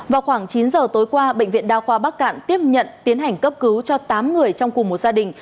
vào khoảng chín giờ tối qua bệnh viện đa khoa bắc cạn tiếp nhận tiến hành cấp cứu cho tám người trong cùng một gia đình